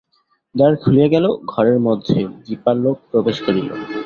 দ্বার খুলিয়া গেল, ঘরের মধ্যে দীপালোক প্রবেশ করিল।